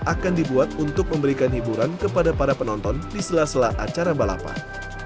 akan dibuat untuk memberikan hiburan kepada para penonton di sela sela acara balapan